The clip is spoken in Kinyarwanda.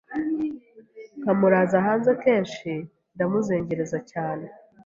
nkamuraza hanze kenshi, ndamuzengereza cyane,